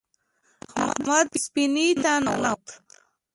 احمد سفینې ته ننوت.